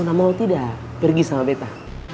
nona mau atau tidak pergi sama beta